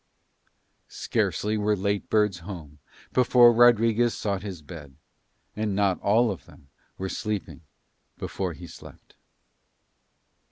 Scarcely were late birds home before Rodriguez sought his bed, and not all of them were sleeping before he slept.